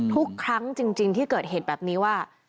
ทุกครั้งจริงที่เกิดเหตุแบบนี้ว่า